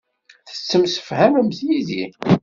Tettemsefhamemt yid-i.